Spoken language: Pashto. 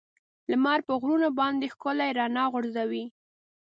لمر په غرونو باندې ښکلي رڼا غورځوي.